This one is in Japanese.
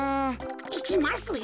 いきますよ。